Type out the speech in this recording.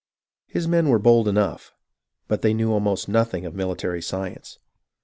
His men were bold enough, but they knew almost nothing of military science.